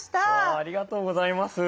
ありがとうございます。